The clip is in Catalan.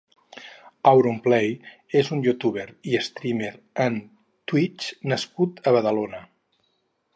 AuronPlay és un youtuber i streamer en Twitch nascut a Badalona.